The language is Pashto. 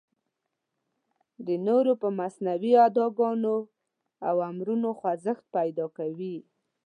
د نورو په مصنوعي اداګانو او امرونو خوځښت پیدا کوي.